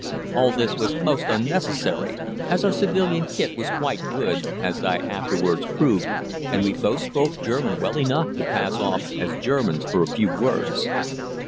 All this was most unnecessary, as our civilian kit was quite good as I afterwards proved, and we both spoke German well enough to pass off as Germans for a few words.